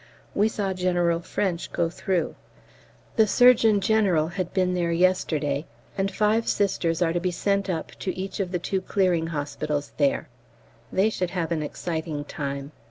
We saw General French go through. The Surgeon General had been there yesterday, and five Sisters are to be sent up to each of the two clearing hospitals there. They should have an exciting time.